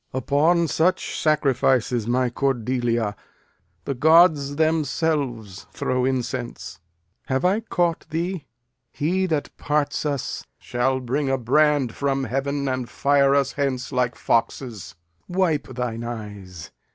Lear. Upon such sacrifices, my Cordelia, The gods themselves throw incense. Have I caught thee? He that parts us shall bring a brand from heaven And fire us hence like foxes. Wipe thine eyes.